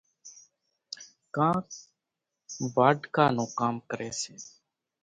ڪانڪ واڍڪا نون ڪام ڪريَ سي۔